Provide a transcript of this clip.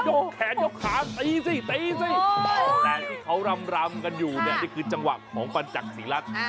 กแขนยกขาตีสิตีสิแต่ที่เขารำกันอยู่เนี่ยนี่คือจังหวะของปัญจักษีรัฐ